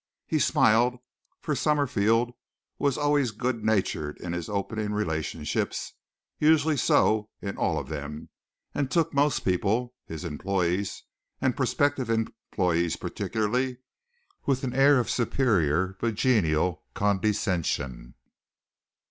He smiled, for Summerfield was always good natured in his opening relationships usually so in all of them, and took most people (his employees and prospective employees particularly) with an air of superior but genial condescension.